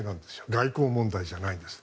外交問題じゃないんです。